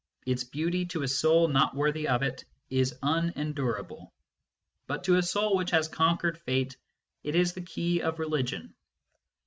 Its beauty, to a soul not worthy of it, is un endurable ; but to a soul which has conquered Fate it is the key of religion.